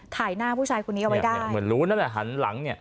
ถ่ายหน้าผู้ชายคนนี้เอาไว้ได้เนี่ยเหมือนรู้นั่นแหละหันหลังเนี่ย